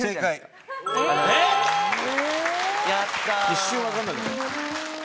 一瞬分かんなく。